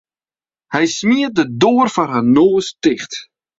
Hy smiet de doar foar har noas ticht.